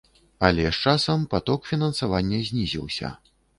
Але з часам паток фінансавання знізіўся.